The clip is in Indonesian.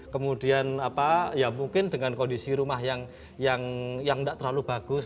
kemudian ya mungkin dengan kondisi rumah yang tidak terlalu bagus